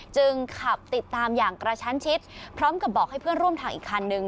ขับติดตามอย่างกระชั้นชิดพร้อมกับบอกให้เพื่อนร่วมทางอีกคันนึง